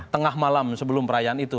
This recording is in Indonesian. tengah malam sebelum perayaan itu